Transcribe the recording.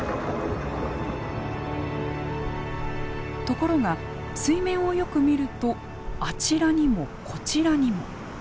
ところが水面をよく見るとあちらにもこちらにも。